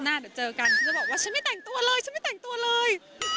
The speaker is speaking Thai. หน้าเดี๋ยวเจอกันเขาก็จะบอกว่าฉันไม่แต่งตัวเลย